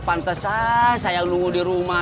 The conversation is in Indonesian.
pantesan saya dulu di rumah